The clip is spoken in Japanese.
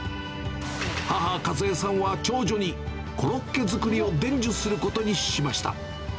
母、和枝さんは長女に、コロッケ作りを伝授することにしました。